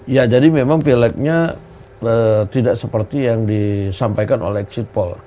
ya jadi memang pilegnya tidak seperti yang disampaikan oleh exit pol